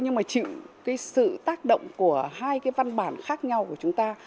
nhưng mà chịu cái sự tác động của hai cái văn bản khác nhau của chúng ta